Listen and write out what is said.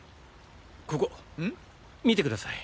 ここ見てください。